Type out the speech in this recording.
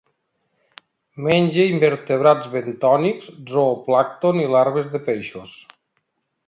Menja invertebrats bentònics, zooplàncton i larves de peixos.